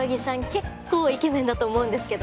結構イケメンだと思うんですけど。